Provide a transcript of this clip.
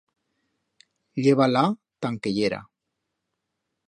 Lleva-la ta an que yera.